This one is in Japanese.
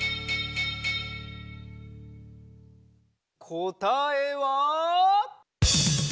こたえは。